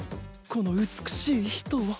この美しい人は。